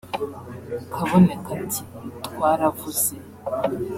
Kaboneka ati “Twaravuze